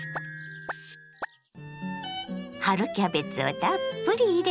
春キャベツをたっぷり入れ